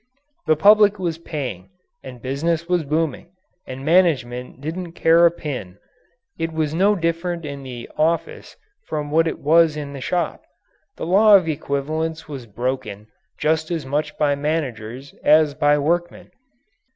The public was paying, and business was booming, and management didn't care a pin. It was no different in the office from what it was in the shop. The law of equivalents was broken just as much by managers as by workmen.